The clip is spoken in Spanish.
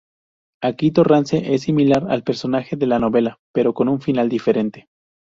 Aquí Torrance es similar al personaje de la novela, pero con un final diferente.